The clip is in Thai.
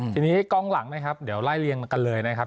ทีนี้กล้องหลังนะครับเดี๋ยวไล่เรียงกันเลยนะครับ